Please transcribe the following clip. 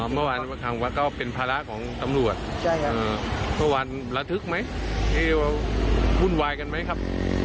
เมื่อวานทางวัดก็เป็นภาระของตำรวจเมื่อวานระทึกไหมเอวุ่นวายกันไหมครับ